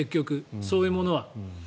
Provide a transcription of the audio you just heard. そういうものは。